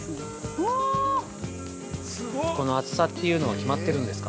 この厚さというのは決まってるんですか。